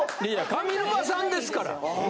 上沼さんですから。